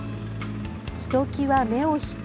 ひときわ目を引く